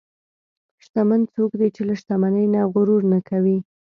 شتمن څوک دی چې له شتمنۍ نه غرور نه کوي.